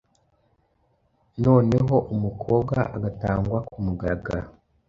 noneho umukobwa agatangwa ku mugaragaro.